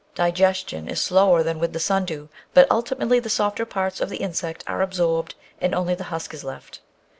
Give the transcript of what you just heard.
Digestion is slower than with the sundew, but ultimately the softer parts of the insect are absorbed and only the husk is left.